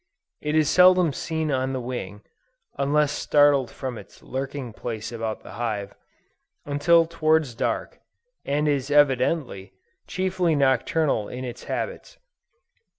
It is seldom seen on the wing, (unless startled from its lurking place about the hive,) until towards dark, and is evidently, chiefly nocturnal in its habits.